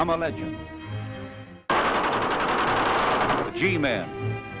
Ｇメン！